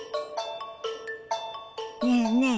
ねえねえ